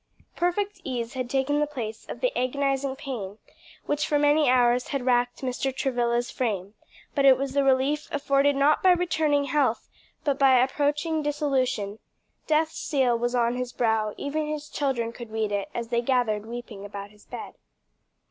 Perfect ease had taken the place of the agonizing pain which for many hours had racked Mr. Travilla's frame, but it was the relief afforded not by returning health, but by approaching dissolution; death's seal was on his brow; even his children could read it as they gathered, weeping, about his bed.